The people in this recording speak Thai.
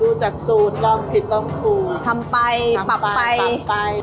ดูจากสูตรลองผิดลองถูกทำไปปรับไปไป